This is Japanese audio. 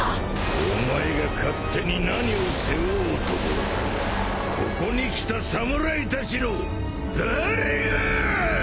お前が勝手に何を背負おうともここに来た侍たちの誰があああ。